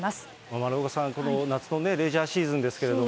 丸岡さん、この夏のレジャーシーズンですけれども。